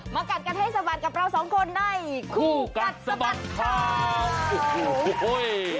มากัดกันให้สบัดกับเราสองคนในคู่กัดสบัดข่าว